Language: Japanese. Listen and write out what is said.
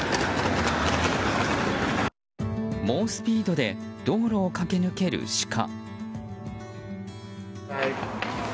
猛スピードで道路を駆け抜けるシカ。